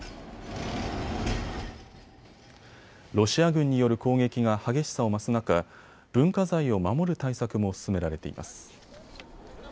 ロシア軍による攻撃が激しさを増す中、文化財を守る対策も進められています。